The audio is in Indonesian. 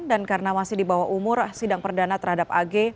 karena masih di bawah umur sidang perdana terhadap ag